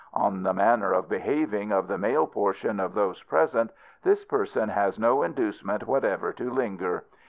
On the manner of behaving of the male portion of those present this person has no inducement whatever to linger.